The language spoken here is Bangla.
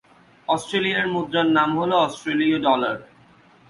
অস্ট্রেলিয়ার মুদ্রার নাম হল অস্ট্রেলীয় ডলার।